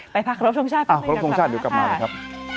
ไปพักรถโทษงศาสตร์ปะพี่นาการณ์เออรถโทษงศาสตร์เดี๋ยวกลับมาเลยครับ